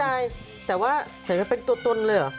เข้าใจแต่ว่าเห็นไปเป็นตัวตนเลยเหรอ